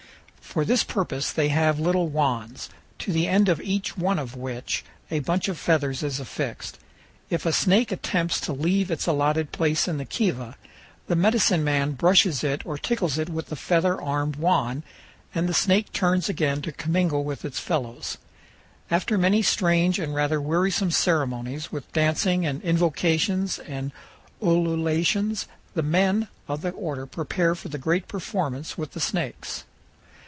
For this purpose they have little wands, to the end of each one of which a bunch of feathers is affixed. If a snake attempts to leave its allotted place in the kiva the medicine man brushes it or tickles it with the feather armed wand, and the snake turns again to commingle with its fellows. After many strange and rather wearisome ceremonies, with dancing and invocations and ululations, the men of the order prepare for the great performance with the snakes.